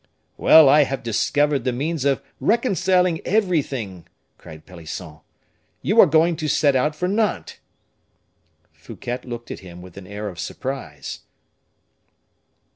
"Well, I have discovered the means of reconciling everything," cried Pelisson. "You are going to set out for Nantes." Fouquet looked at him with an air of surprise.